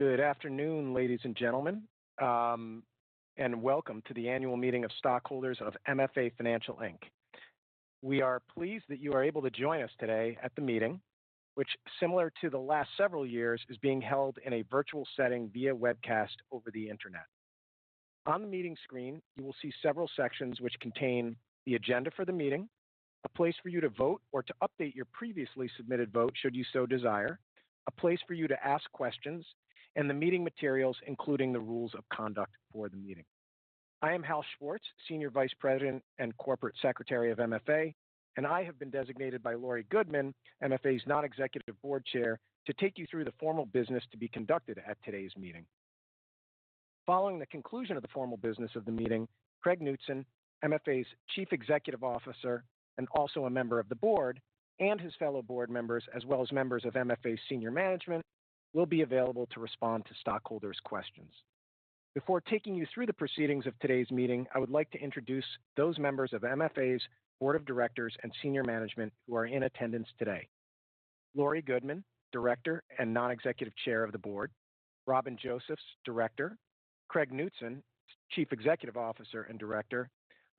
Good afternoon, ladies and gentlemen, welcome to the annual meeting of stockholders of MFA Financial, Inc. We are pleased that you are able to join us today at the meeting, which similar to the last several years, is being held in a virtual setting via webcast over the internet. On the meeting screen, you will see several sections which contain the agenda for the meeting, a place for you to vote or to update your previously submitted vote should you so desire, a place for you to ask questions, and the meeting materials, including the rules of conduct for the meeting. I am Hal Schwartz, Senior Vice President and Corporate Secretary of MFA, and I have been designated by Laurie Goodman, MFA's non-executive Board Chair, to take you through the formal business to be conducted at today's meeting. Following the conclusion of the formal business of the meeting, Craig Knutson, MFA's Chief Executive Officer, and also a member of the Board, and his fellow Board members, as well as members of MFA's senior management, will be available to respond to stockholders' questions. Before taking you through the proceedings of today's meeting, I would like to introduce those members of MFA's Board of Directors and senior management who are in attendance today. Laurie Goodman, Director and Non-Executive Chair of the Board, Robin Josephs, Director, Craig Knutson, Chief Executive Officer and Director,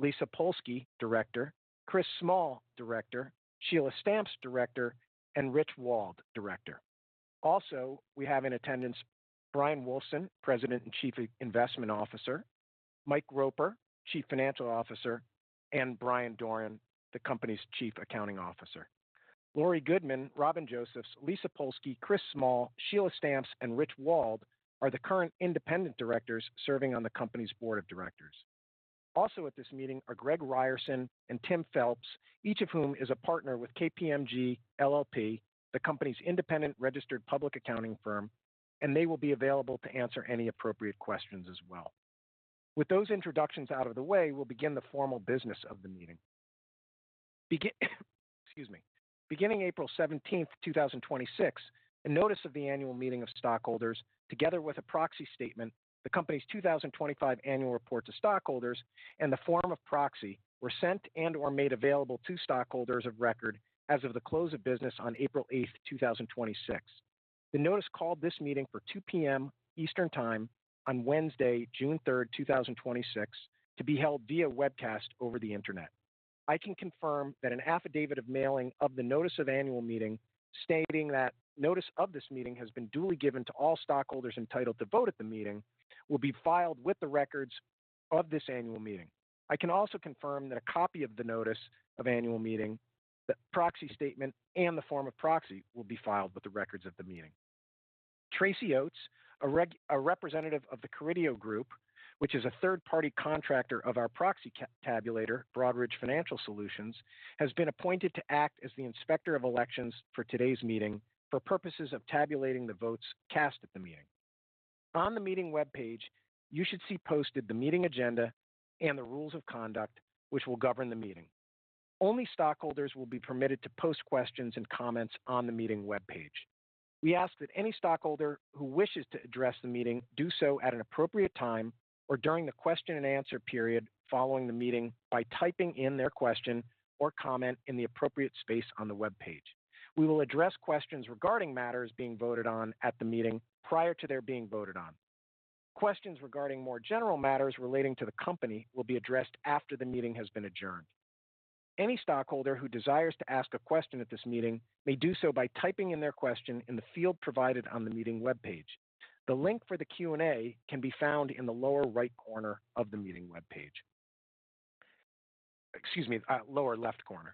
Lisa Polsky, Director, Chris Small, Director, Sheila Stamps, Director, and Rich Wald, Director. Also, we have in attendance Bryan Wulfsohn, President and Chief Investment Officer, Mike Roper, Chief Financial Officer, and Bryan Doran, the company's Chief Accounting Officer. Laurie Goodman, Robin Josephs, Lisa Polsky, Chris Small, Sheila Stamps, and Rich Wald are the current independent Directors serving on the company's Board of Directors. Also at this meeting are Greg Ryerson and Tim Phelps, each of whom is a partner with KPMG LLP, the company's independent registered public accounting firm, and they will be available to answer any appropriate questions as well. With those introductions out of the way, we'll begin the formal business of the meeting. Excuse me. Beginning April 17th, 2026, a notice of the annual meeting of stockholders, together with a proxy statement, the company's 2025 annual report to stockholders, and the form of proxy, were sent and/or made available to stockholders of record as of the close of business on April 8th, 2026. The notice called this meeting for 2:00 P.M. Eastern Time on Wednesday, June 3rd, 2026, to be held via webcast over the internet. I can confirm that an affidavit of mailing of the notice of annual meeting, stating that notice of this meeting has been duly given to all stockholders entitled to vote at the meeting, will be filed with the records of this annual meeting. I can also confirm that a copy of the notice of annual meeting, the proxy statement, and the form of proxy will be filed with the records of the meeting. Tracy Oates, a representative of the Corideo Group, which is a third-party contractor of our proxy tabulator, Broadridge Financial Solutions, has been appointed to act as the Inspector of Elections for today's meeting for purposes of tabulating the votes cast at the meeting. On the meeting webpage, you should see posted the meeting agenda and the rules of conduct which will govern the meeting. Only stockholders will be permitted to post questions and comments on the meeting webpage. We ask that any stockholder who wishes to address the meeting do so at an appropriate time or during the question and answer period following the meeting by typing in their question or comment in the appropriate space on the webpage. We will address questions regarding matters being voted on at the meeting prior to their being voted on. Questions regarding more general matters relating to the company will be addressed after the meeting has been adjourned. Any stockholder who desires to ask a question at this meeting may do so by typing in their question in the field provided on the meeting webpage. The link for the Q&A can be found in the lower right corner of the meeting webpage. Excuse me, lower left corner.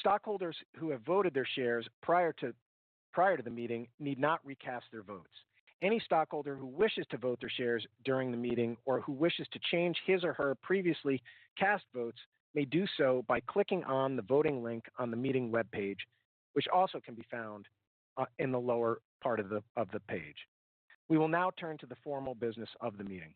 Stockholders who have voted their shares prior to the meeting need not recast their votes. Any stockholder who wishes to vote their shares during the meeting or who wishes to change his or her previously cast votes may do so by clicking on the voting link on the meeting webpage, which also can be found in the lower part of the page. We will now turn to the formal business of the meeting.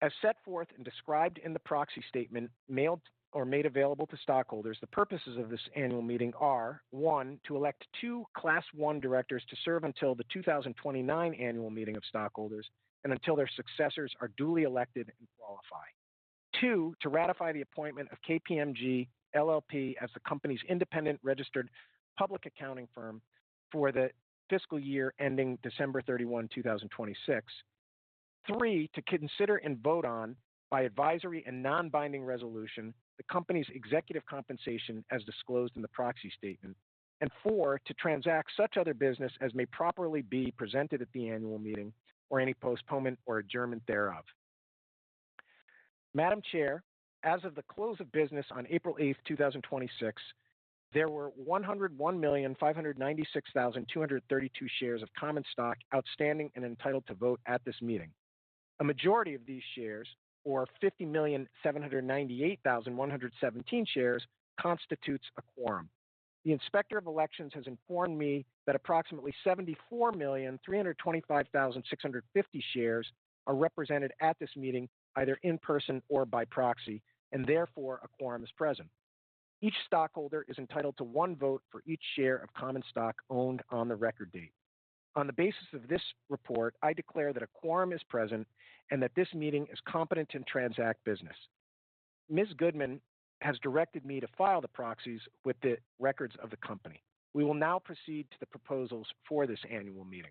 As set forth and described in the proxy statement mailed or made available to stockholders, the purposes of this annual meeting are, one, to elect two Class I directors to serve until the 2029 annual meeting of stockholders and until their successors are duly elected and qualify. Two, to ratify the appointment of KPMG LLP as the company's independent registered public accounting firm for the fiscal year ending December 31, 2026. Three, to consider and vote on by advisory and non-binding resolution the company's executive compensation as disclosed in the proxy statement. Four, to transact such other business as may properly be presented at the annual meeting or any postponement or adjournment thereof. Madam Chair, as of the close of business on April 8th, 2026, there were 101,596,232 shares of common stock outstanding and entitled to vote at this meeting. A majority of these shares, or 50,798,117 shares, constitutes a quorum. The Inspector of Elections has informed me that approximately 74,325,650 shares are represented at this meeting, either in person or by proxy, and therefore a quorum is present. Each stockholder is entitled to one vote for each share of common stock owned on the record date. On the basis of this report, I declare that a quorum is present and that this meeting is competent to transact business. Ms. Goodman has directed me to file the proxies with the records of the company. We will now proceed to the proposals for this annual meeting.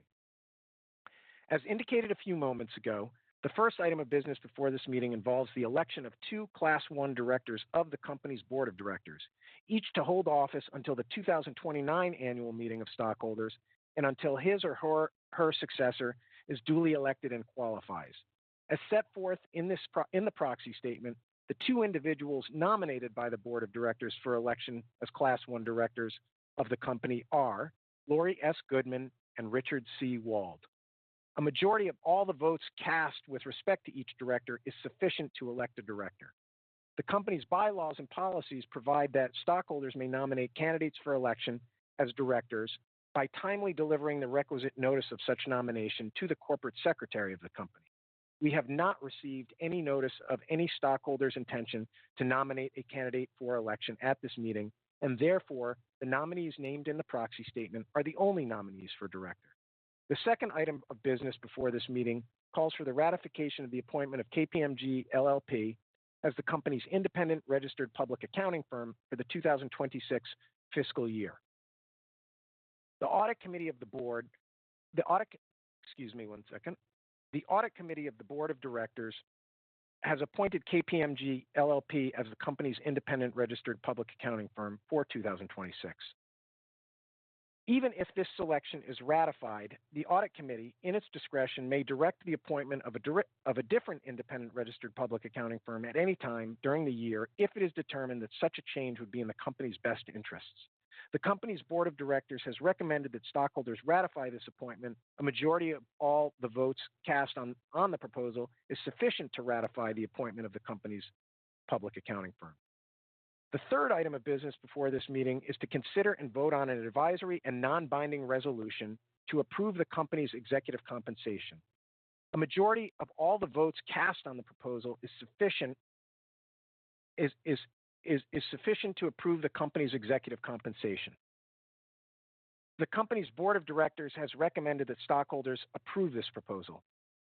As indicated a few moments ago, the first item of business before this meeting involves the election of two Class I Directors of the company's board of directors, each to hold office until the 2029 annual meeting of stockholders and until his or her successor is duly elected and qualifies. As set forth in the proxy statement, the two individuals nominated by the board of directors for election as Class I Directors of the company are Laurie S. Goodman and Richard C. Wald. A majority of all the votes cast with respect to each director is sufficient to elect a director. The company's bylaws and policies provide that stockholders may nominate candidates for election as directors by timely delivering the requisite notice of such nomination to the corporate secretary of the company. We have not received any notice of any stockholder's intention to nominate a candidate for election at this meeting. Therefore, the nominees named in the proxy statement are the only nominees for director. The second item of business before this meeting calls for the ratification of the appointment of KPMG LLP as the company's independent registered public accounting firm for the 2026 fiscal year. The audit committee of the board of directors has appointed KPMG LLP as the company's independent registered public accounting firm for 2026. Even if this selection is ratified, the audit committee, in its discretion, may direct the appointment of a different independent registered public accounting firm at any time during the year if it is determined that such a change would be in the company's best interests. The company's board of directors has recommended that stockholders ratify this appointment. A majority of all the votes cast on the proposal is sufficient to ratify the appointment of the company's public accounting firm. The third item of business before this meeting is to consider and vote on an advisory and non-binding resolution to approve the company's executive compensation. A majority of all the votes cast on the proposal is sufficient to approve the company's executive compensation. The company's board of directors has recommended that stockholders approve this proposal.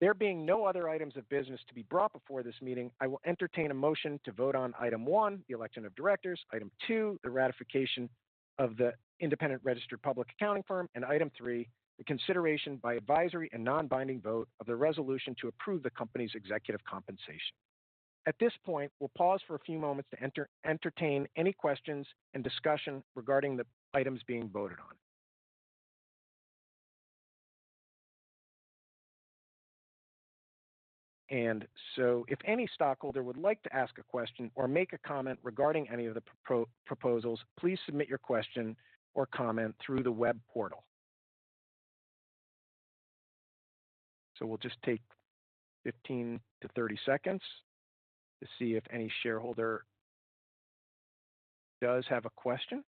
There being no other items of business to be brought before this meeting, I will entertain a motion to vote on item one, the election of directors, item two, the ratification of the independent registered public accounting firm, and item three, the consideration by advisory and non-binding vote of the resolution to approve the company's executive compensation. At this point, we'll pause for a few moments to entertain any questions and discussion regarding the items being voted on. If any stockholder would like to ask a question or make a comment regarding any of the proposals, please submit your question or comment through the web portal. We'll just take 15-30 seconds to see if any shareholder does have a question.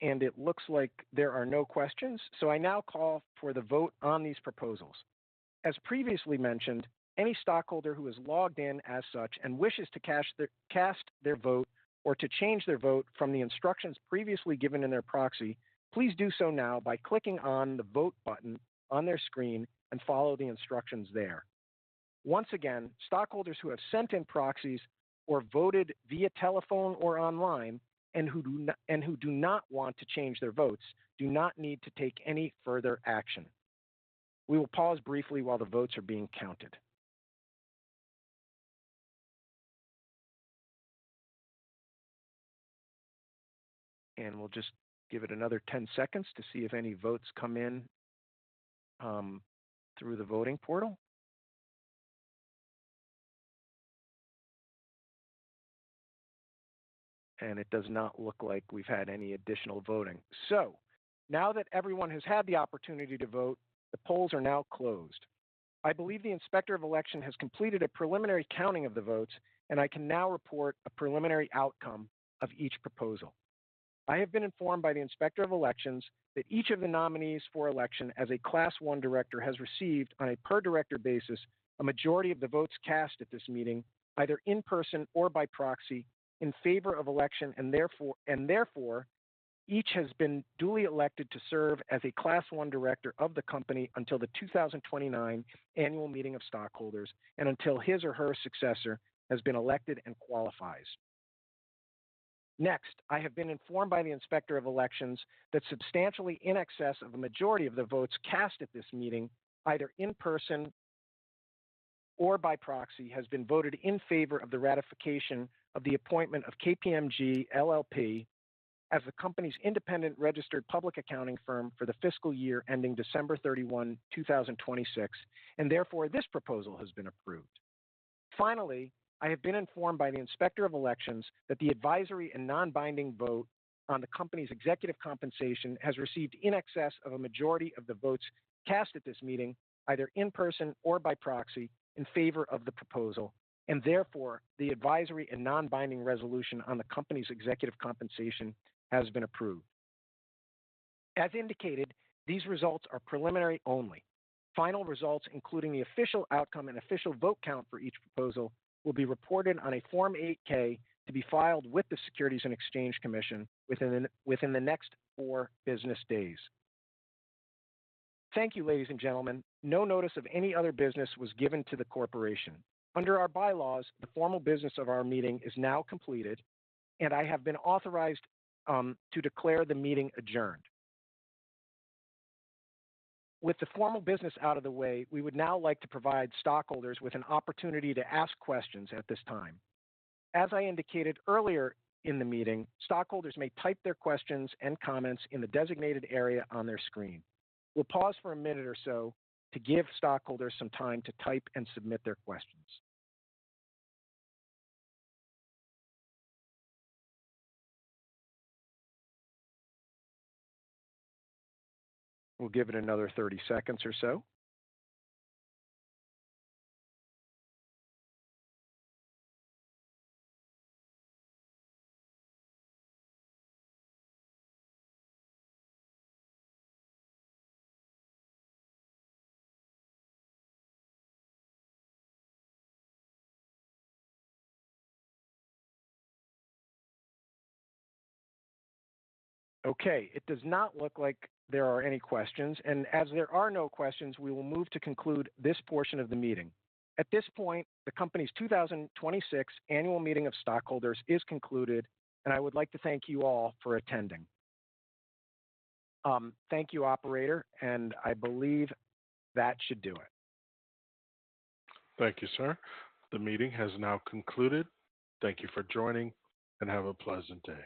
It looks like there are no questions, so I now call for the vote on these proposals. As previously mentioned, any stockholder who has logged in as such and wishes to cast their vote or to change their vote from the instructions previously given in their proxy, please do so now by clicking on the vote button on their screen and follow the instructions there. Once again, stockholders who have sent in proxies or voted via telephone or online and who do not want to change their votes, do not need to take any further action. We will pause briefly while the votes are being counted. We'll just give it another 10 seconds to see if any votes come in through the voting portal. It does not look like we've had any additional voting. Now that everyone has had the opportunity to vote, the polls are now closed. I believe the inspector of election has completed a preliminary counting of the votes, and I can now report a preliminary outcome of each proposal. I have been informed by the inspector of elections that each of the nominees for election as a Class I Director has received, on a per-Director basis, a majority of the votes cast at this meeting, either in person or by proxy, in favor of election, and therefore, each has been duly elected to serve as a Class I Director of the company until the 2029 annual meeting of stockholders and until his or her successor has been elected and qualifies. Next, I have been informed by the inspector of elections that substantially in excess of the majority of the votes cast at this meeting, either in person or by proxy, has been voted in favor of the ratification of the appointment of KPMG LLP as the company's independent registered public accounting firm for the fiscal year ending December 31, 2026, and therefore, this proposal has been approved. Finally, I have been informed by the inspector of elections that the advisory and non-binding vote on the company's executive compensation has received in excess of a majority of the votes cast at this meeting, either in person or by proxy, in favor of the proposal, and therefore, the advisory and non-binding resolution on the company's executive compensation has been approved. As indicated, these results are preliminary only. Final results, including the official outcome and official vote count for each proposal, will be reported on a Form 8-K to be filed with the Securities and Exchange Commission within the next four business days. Thank you, ladies and gentlemen. No notice of any other business was given to the corporation. Under our bylaws, the formal business of our meeting is now completed, and I have been authorized to declare the meeting adjourned. With the formal business out of the way, we would now like to provide stockholders with an opportunity to ask questions at this time. As I indicated earlier in the meeting, stockholders may type their questions and comments in the designated area on their screen. We'll pause for a minute or so to give stockholders some time to type and submit their questions. We'll give it another 30 seconds or so. Okay, it does not look like there are any questions, and as there are no questions, we will move to conclude this portion of the meeting. At this point, the company's 2026 annual meeting of stockholders is concluded, and I would like to thank you all for attending. Thank you, operator, and I believe that should do it. Thank you, sir. The meeting has now concluded. Thank you for joining, and have a pleasant day.